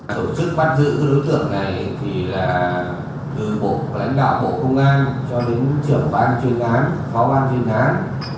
tổ chức bắt giữ đối tượng này thì là từ bộ lãnh đạo bộ công an cho đến trưởng ban chuyên án phó ban chuyên án